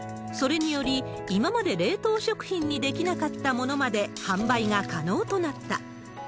それにより、今まで冷凍食品にできなかったものまで販売が可能となった。